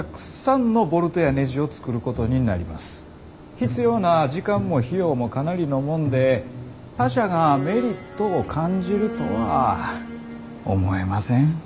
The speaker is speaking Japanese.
必要な時間も費用もかなりのもんで他社がメリットを感じるとは思えません。